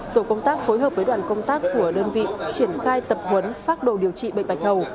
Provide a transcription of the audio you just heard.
tổ công tác phối hợp với đoàn công tác của đơn vị triển khai tập huấn phác đồ điều trị bệnh bạch hầu